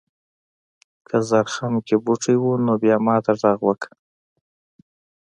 که زرخم کې بوټي و نو بیا ماته غږ وکړه.